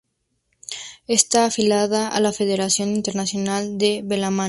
Está afiliada a la Federación Internacional de Balonmano.